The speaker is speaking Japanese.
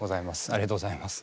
ありがとうございます。